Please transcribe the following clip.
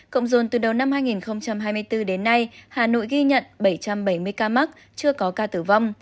cộng dồn từ đầu năm hai nghìn hai mươi bốn đến nay hà nội ghi nhận bảy trăm bảy mươi ca mắc chưa có ca tử vong